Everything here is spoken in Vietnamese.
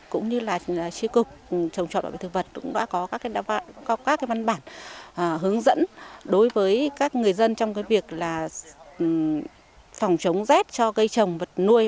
cũng như là tri cục trồng trọt bảo vệ thực vật cũng đã có các văn bản hướng dẫn đối với các người dân trong việc phòng chống rét cho cây trồng vật nuôi